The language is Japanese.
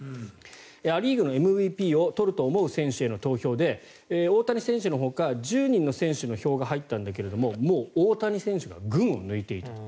ア・リーグのＭＶＰを取ると思う選手への投票で大谷選手のほか１０人の選手に票が入ったんだけど大谷選手が群を抜いていたと。